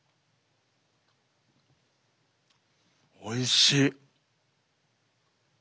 おいしい。